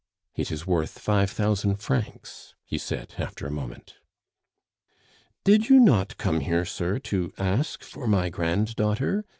"It is worth five thousand francs," he said after a moment. "Did you not come here, sir, to ask for my granddaughter?"